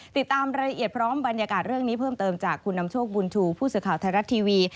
ติดตามรายละเอียดพร้อมบรรยากาศเรื่องนี้เพิ่มเติมจากคุณนำโชคบุญชูผู้สื่อข่าวไทยรัฐทีวี